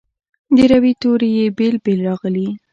د روي توري یې بیل بیل راغلي.